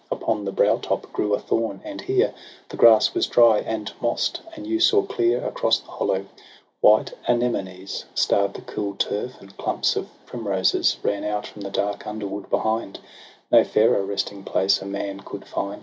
Upon the brow top grew a thorn, and here The grass was dry and moss'd, and you saw clear Across the hollow ; white anemonies Starr'd the cool turf, and clumps of primroses Ran out from the dark underwood behind; No fairer resting place a man could find.